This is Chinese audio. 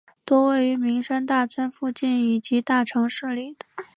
多位于名山大川附近以及大城市里。